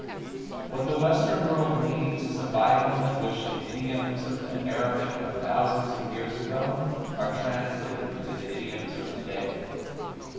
What the Western World needs is a Bible in which the idioms of the Aramaic of thousands of years ago are translated into the idioms of today.